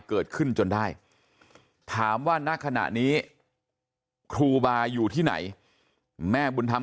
เกิดขึ้นจนได้ถามว่าณขณะนี้ครูบาอยู่ที่ไหนแม่บุญธรรม